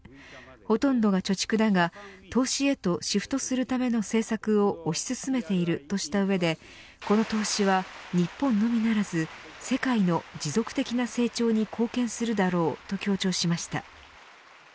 ほとんどが貯蓄だが投資へとシフトするための政策を推し進めているとした上でこの投資は日本のみならず世界の持続的な成長に貢献するだろうと強調しました。